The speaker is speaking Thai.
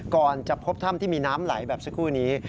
ก่อนจะพบถ้ำที่มีน้ำไหลแบบสักครู่นี้